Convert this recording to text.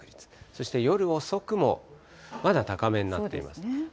そして夜遅くも、まだ高めになっています。